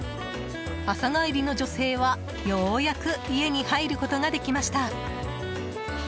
朝帰りの女性は、ようやく家に入ることができました。